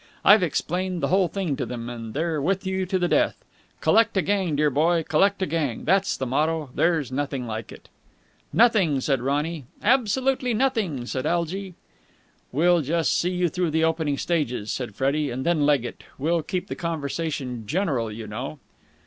I've explained the whole thing to them, and they're with you to the death! Collect a gang, dear boy, collect a gang! That's the motto. There's nothing like it!" "Nothing!" said Ronny. "Absolutely nothing!" said Algy. "We'll just see you through the opening stages," said Freddie, "and then leg it. We'll keep the conversation general you know."